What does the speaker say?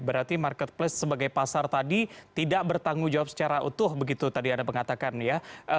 berarti marketplace sebagai pasar tadi tidak bertanggung jawab secara utuh begitu tadi anda mengatakan ya